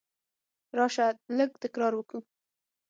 راسه! لږ تکرار وکو.